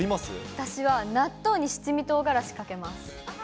私は納豆に七味とうがらしかけます。